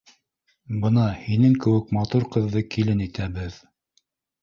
— Бына һинең кеүек матур ҡыҙҙы килен итәбеҙ